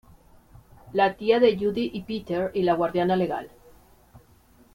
La tía de Judy y Peter y la guardiana legal.